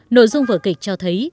nội dung vờ kịch cho thấy